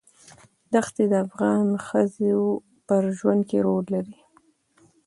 دښتې د افغان ښځو په ژوند کې رول لري.